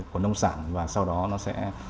của nông sản và sau đó nó sẽ